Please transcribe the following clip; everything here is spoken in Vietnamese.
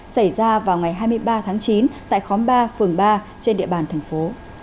xảy ra vào ngày hai mươi ba tháng chín tại khóm ba phường ba trên địa bàn thành phố